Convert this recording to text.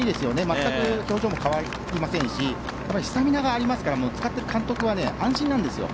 全く表情も変わりませんしスタミナもありますからもう使っている監督は安心なんですよ。